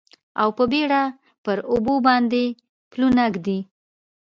او په بیړه پر اوبو باندې پلونه ږدي